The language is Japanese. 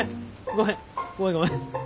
ごめんごめん。